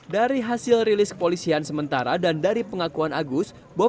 dari hasil rilis kepolisian sementara dan dari pengakuan agus